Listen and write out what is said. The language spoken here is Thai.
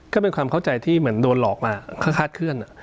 ก็เป็นความเข้าใจที่เหมือนโดนหลอกมาคาดเคลื่อน